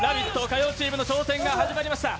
火曜チームの挑戦が始まりました。